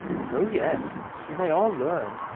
" Oh yes, we may all learn.